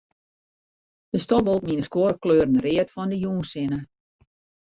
De stofwolken yn 'e skuorre kleuren read fan de jûnssinne.